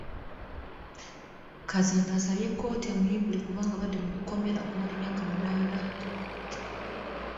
Kazinda asabye kkooti emuyimbule kubanga abadde mu kkomera okumala emyaka munaana.